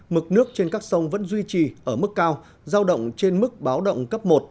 mực nước trên các sông vẫn duy trì ở mức cao giao động trên mức báo động cấp một